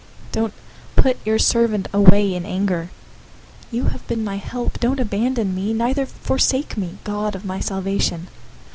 Don't put your servant away in anger. You have been my help. Don't abandon me, neither forsake me, God of my salvation.